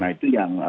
nah itu yang